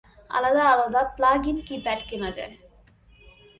আলাদা আলাদা প্লাগ-ইন কি প্যাড কেনা যায়।